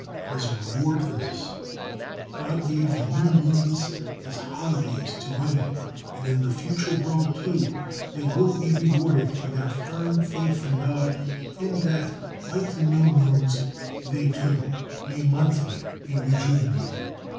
As a reward for this, God gave the new moons as holidays to women, and in the future world too they will be rewarded for their firm faith in God, in that, like the new moons, they too, may monthly be rejuvenated.